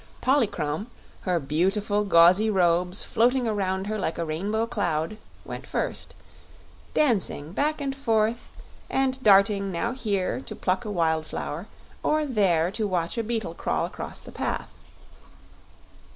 Polychrome, her beautiful gauzy robes floating around her like a rainbow cloud, went first, dancing back and forth and darting now here to pluck a wild flower or there to watch a beetle crawl across the path.